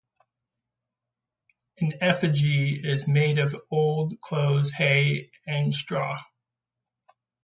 An effigy is made of old clothes, hay, and straw.